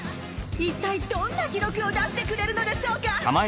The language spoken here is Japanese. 一体どんな記録を出してくれるのでしょうか！